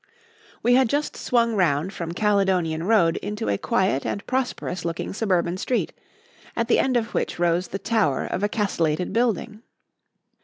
We had just swung round from Caledonian Road into a quiet and prosperous looking suburban street, at the end of which rose the tower of a castellated building.